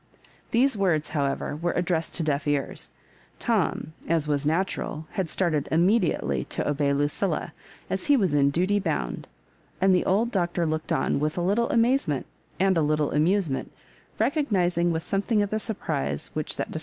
These words, however, were addressed to deaf ears. Tom, as was natural, had started immediately to obey Lucilla, as he was in duty bound ; and the old Doctor looked on with a little amazement and a little amusement, recognising, with something of the surprise which that dis